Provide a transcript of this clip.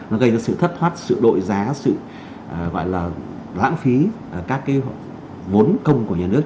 nó gây ra sự thất thoát sự đội giá sự gọi là lãng phí các cái vốn công của nhà nước